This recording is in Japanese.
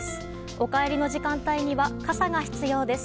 お帰りの時間帯には傘が必要です。